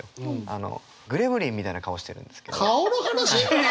あのグレムリンみたいな顔してるんですけど。